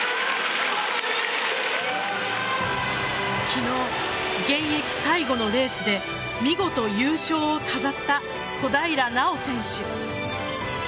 昨日、現役最後のレースで見事、優勝を飾った小平奈緒選手。